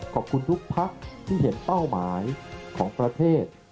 ขอบคุณทุกพักที่เห็นเป้าหมายของประเทศ